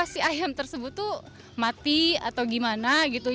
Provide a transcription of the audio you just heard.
si ayam tersebut tuh mati atau gimana gitu